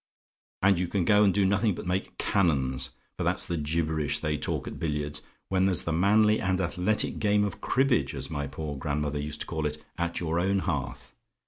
"And you can go and do nothing but make 'cannons' for that's the gibberish they talk at billiards when there's the manly and athletic game of cribbage, as my poor grandmother used to call it, at your own hearth.